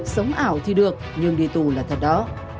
sống ảo thì được nhưng đi tù là thật đó